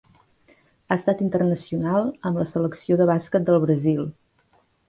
Ha estat internacional amb la Selecció de bàsquet del Brasil.